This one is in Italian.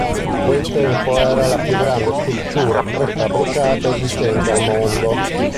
A quel tempo era la più grande struttura prefabbricata esistente al mondo.